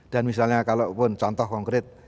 dan misalnya kalau pun contoh konkret